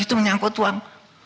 dan itu menyangkut uang